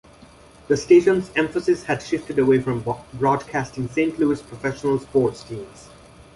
The station's emphasis had shifted away from broadcasting Saint Louis professional sports teams.